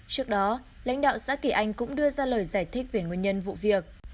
trước đó lãnh đạo xã kỳ anh cũng đưa ra lời giải thích về nguyên nhân vụ việc